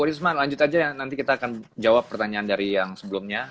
bu risman lanjut aja nanti kita akan jawab pertanyaan dari yang sebelumnya